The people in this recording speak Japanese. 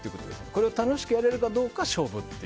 これを楽しくやれるかどうかが勝負と。